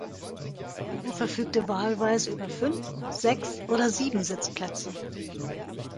Er verfügte wahlweise über fünf, sechs oder sieben Sitzplätze.